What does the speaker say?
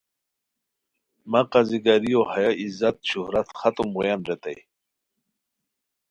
مہ قاضی گاریو ہیہ عزت شہرت ختم بویان ریتائے